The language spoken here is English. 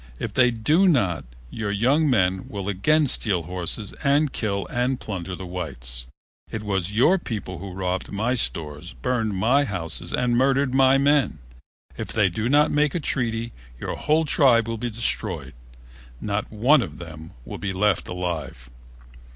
If they do not your young men will again steal horses and kill and plunder the whites. It was your people who robbed my stores, burned my houses and murdered my men. It they do not make a treaty, your whole tribe will be destroyed. Not one of them will be left alive."